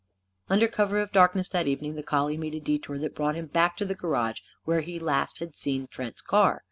Under cover of darkness, that evening, the collie made a detour that brought him back to the garage where last he had seen Trent's car.